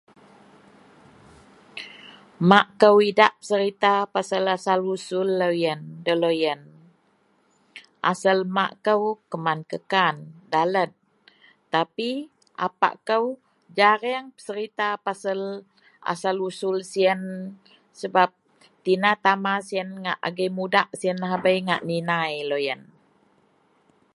Mak kou idak peserita pasel asal-usul loyen, deloyen. Asel mak kou kuman Kekan Dalet tapi apak kou jareang peserita pasel asal-usul siyen sebab tina tama siyen ngak agei mudak siyen lahabei ngak ninai loyen.